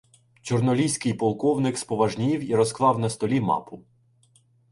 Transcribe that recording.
Чорноліський полковник споважнів і розклав на столі мапу.